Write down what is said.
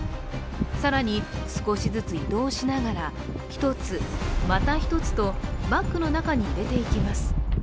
更に、少しずつ移動しながら１つ、また１つとバッグの中に入れていきます。